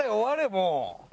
もう。